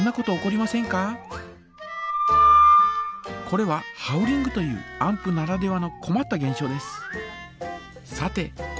これはハウリングというアンプならではのこまったげん象です。